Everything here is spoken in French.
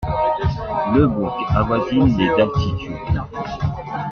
Le bourg avoisine les d'altitude.